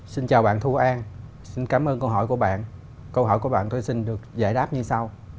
xin chào bạn thu an xin cảm ơn câu hỏi của bạn câu hỏi của bạn tôi xin được giải đáp như sau